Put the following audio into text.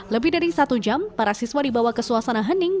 lebih dari satu jam para siswa dibawa ke suasana hening